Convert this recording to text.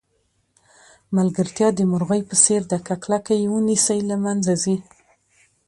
ملګرتیا د مرغۍ په څېر ده که کلکه یې ونیسئ له منځه ځي.